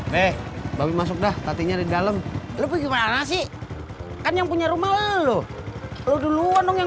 deh bau masuk dah katinya di dalam lebih gimana sih kan yang punya rumah lu lu duluan dong yang